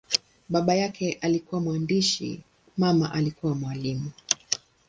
Baba yake alikuwa mwandishi, mama alikuwa mwalimu.